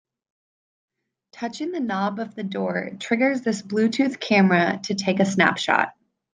Touching the knob of the door triggers this Bluetooth camera to take a snapshot.